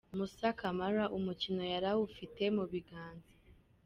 Moussa Camara umukino yari awufite mu biganza.